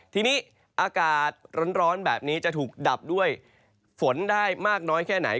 ทีนี้อากาศร้อนแบบนี้จะถูกดับด้วยฝนได้มากน้อยแค่ไหน